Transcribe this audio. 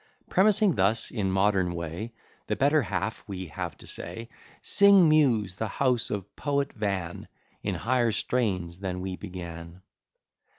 Premising thus, in modern way, The better half we have to say; Sing, Muse, the house of Poet Van, In higher strains than we began.